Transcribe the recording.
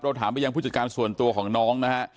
ถามไปยังผู้จัดการส่วนตัวของน้องนะฮะ